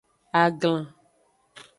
Aglan.